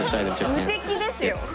無敵ですよ。